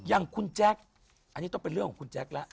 อันนี้ต้องเป็นเรื่องของคุณแจ้คล้ะ